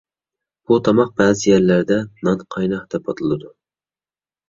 بۇ تاماق بەزى يەرلەردە «نانقايناق» دەپ ئاتىلىدۇ.